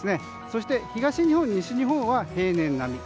そして、東日本、西日本は平年並み。